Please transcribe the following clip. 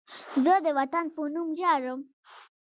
زه د وطن په نوم ژاړم